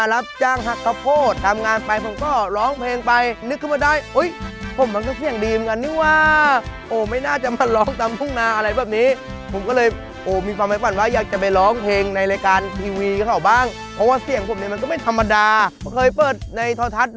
รับจ้างหักครอบครัวทำงานไปผมก็ร้องเพลงไปนึกขึ้นมาได้